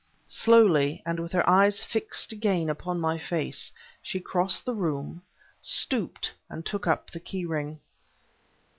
Slowly, and with her eyes fixed again upon my face, she crossed the room, stooped, and took up the key ring.